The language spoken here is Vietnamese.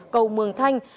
cầu mường thanh